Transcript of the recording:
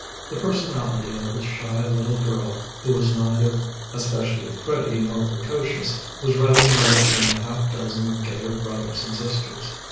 The personality of the shy little girl, who was neither especially pretty nor precocious, was rather merged in the half dozen of gayer brothers and sisters.